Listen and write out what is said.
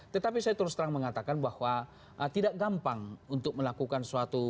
tetapi saya terus terang mengatakan bahwa tidak gampang untuk melakukan suatu